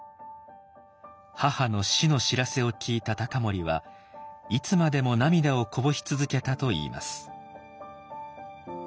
母の死の知らせを聞いた隆盛はいつまでも涙をこぼし続けたといいます。